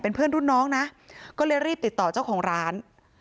เพื่อนรุ่นน้องนะก็เลยรีบติดต่อเจ้าของร้าน